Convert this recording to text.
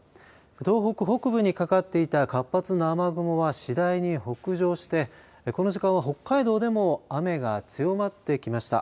東北北部にかかっていた活発な雨雲は次第に北上してこの時間は北海道でも雨が強まってきました。